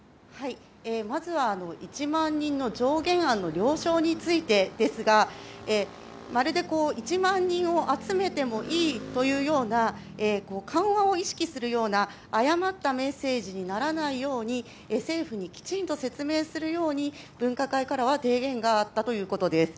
まずは、１万人の上限案の了承についてですがまるで１万人を集めてもいいというような緩和を意識するような誤ったメッセージにならないように政府にきちんと説明するように分科会からは提言があったということです。